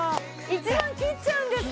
１万切っちゃうんですか？